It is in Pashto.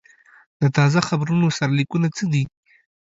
د تازه خبرونو سرلیکونه څه دي؟